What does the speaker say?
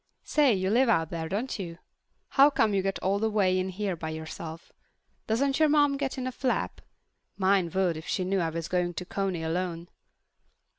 "Say, you live out there, don't you? How come you get all the way in here by yourself? Doesn't your mom get in a flap? Mine would, if she knew I was going to Coney alone."